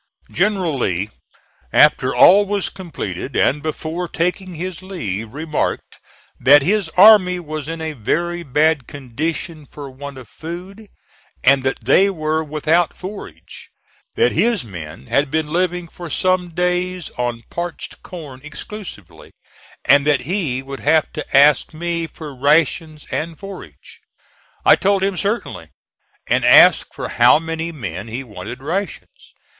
General Lee, after all was completed and before taking his leave, remarked that his army was in a very bad condition for want of food, and that they were without forage; that his men had been living for some days on parched corn exclusively, and that he would have to ask me for rations and forage. I told him "certainly," and asked for how many men he wanted rations.